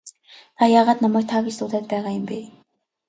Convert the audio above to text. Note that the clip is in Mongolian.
Та яагаад намайг та гэж дуудаад байгаа юм бэ?